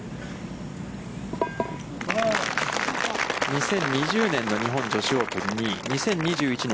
２０２０年の日本女子オープン２位、２０２１年